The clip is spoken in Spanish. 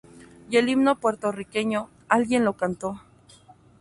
Y el himno puertorriqueño, alguien lo cantó.